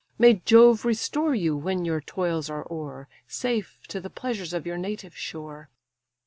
May Jove restore you when your toils are o'er Safe to the pleasures of your native shore.